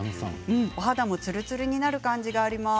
お肌もつるつるになる感じがあります。